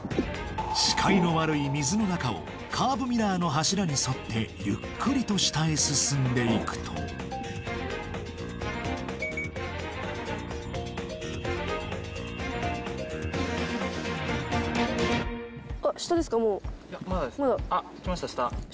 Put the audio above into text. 視界の悪い水の中をカーブミラーの柱に沿ってゆっくりと下へ進んでいくといやまだです下？